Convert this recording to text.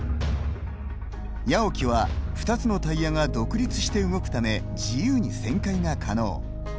ＹＡＯＫＩは２つのタイヤが独立して動くため自由に旋回が可能。